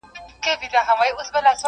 o د زړو شرابو ډکي دوې پیالي دی,